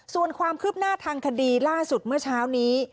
ส่วนความคืบหน้าทางคดีล่าสุดเมื่อเช้านี้